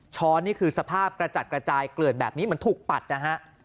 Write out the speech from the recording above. นี่คือสภาพกระจัดกระจายเกลือดแบบนี้เหมือนถูกปัดนะฮะ